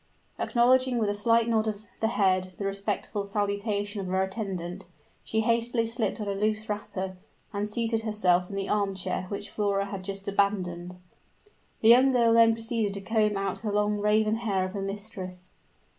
Acknowledging with a slight nod of the head the respectful salutation of her attendant, she hastily slipped on a loose wrapper, and seated herself in the arm chair which Flora had just abandoned. The young girl then proceeded to comb out the long raven hair of her mistress.